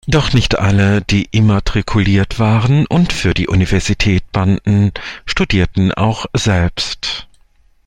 Doch nicht alle, die immatrikuliert waren und für die Universität banden, studierten auch selbst.